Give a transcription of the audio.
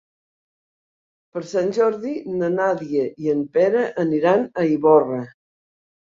Per Sant Jordi na Nàdia i en Pere aniran a Ivorra.